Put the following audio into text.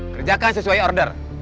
kerjakan sesuai order